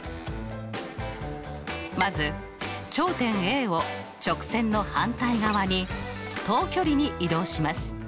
まず頂点Ａを直線の反対側に等距離に移動します。